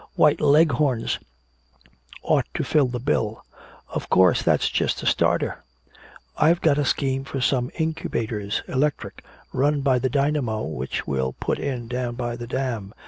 White Leghorns ought to fill the bill. Of course that's just a starter. I've got a scheme for some incubators electric run by the dynamo which we'll put in down by the dam.